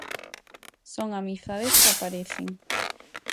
Son amizades que aparecen.